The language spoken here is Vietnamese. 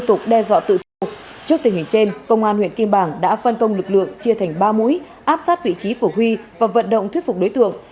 trên công an huyện kim bảng đã phân công lực lượng chia thành ba mũi áp sát vị trí của huy và vận động thuyết phục đối tượng